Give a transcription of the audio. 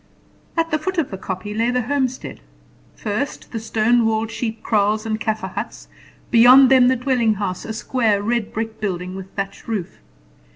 At the foot of the kopje lay the homestead. First, the stone walled sheep kraals and Kaffer huts; beyond them the dwelling house a square, red brick building with thatched roof.